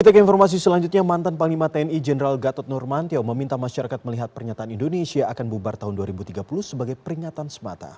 kita ke informasi selanjutnya mantan panglima tni jenderal gatot nurmantio meminta masyarakat melihat pernyataan indonesia akan bubar tahun dua ribu tiga puluh sebagai peringatan semata